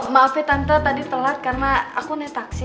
maaf ya tante tadi telat karena aku naik taksi